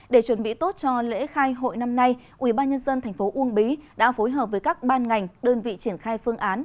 để chuẩn bị tốt cho lễ khai hội năm nay ubnd tp uông bí đã phối hợp với các ban ngành đơn vị triển khai phương án